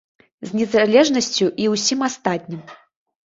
З незалежнасцю і ўсім астатнім.